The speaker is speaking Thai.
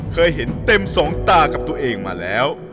เคยเห็นเต็มสองตากับตัวเองมาแล้ว